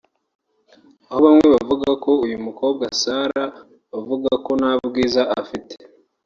aho bamwe bavugaga ko uyu mukobwa Sarah bavuga ko nta bwiza afite